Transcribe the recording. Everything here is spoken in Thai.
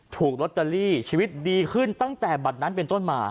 ถูกลอตเตอรี่ชีวิตดีขึ้นตั้งแต่บัตรนั้นเป็นต้นมา